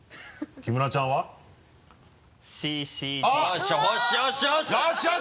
木村ちゃんは？あっ！